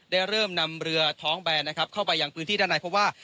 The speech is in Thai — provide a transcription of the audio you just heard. ได้เริ่มนำเรือท้องแบนนะครับเข้าไปยังพื้นที่ด้านในเพราะว่า